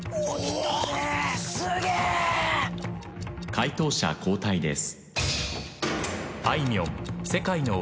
解答者交代です。